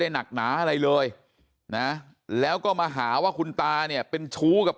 หนักหนาอะไรเลยนะแล้วก็มาหาว่าคุณตาเนี่ยเป็นชู้กับ